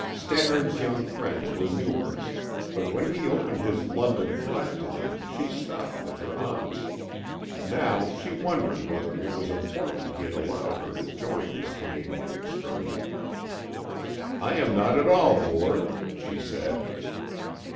Stannard's young friends were numerous, but when he opened his London flat to them she stopped with her aunts. Now she wondered whether it was important he had allowed her to join his Canadian excursion. "I am not at all bored," she said.